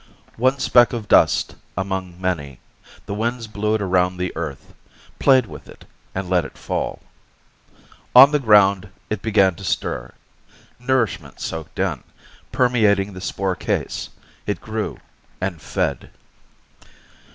One speck of dust among many, the winds blew it around the Earth, played with it, and let it fall. On the ground, it began to stir. Nourishment soaked in, permeating the spore case. It grew and fed.